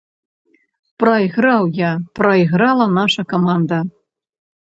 Прайграў я, прайграла наша каманда.